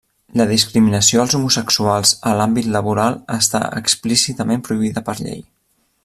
La discriminació als homosexuals a l'àmbit laboral està explícitament prohibida per llei.